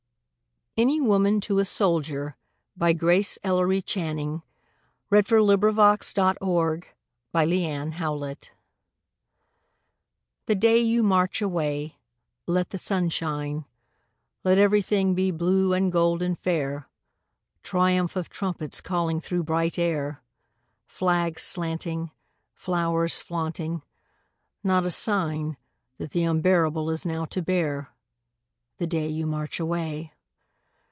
ANY WOMAN TO A SOLDIER GRACE ELLERY CHANNING [Sidenote: 1917, 1918] The day you march away let the sun shine, Let everything be blue and gold and fair, Triumph of trumpets calling through bright air, Flags slanting, flowers flaunting not a sign That the unbearable is now to bear, The day you march away.